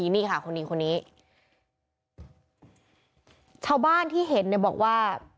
นี่ค่ะคนนี้คนนี้ชาวบ้านที่เห็นเนี่ยบอกว่า